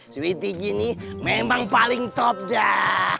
sweetie gini memang paling top dah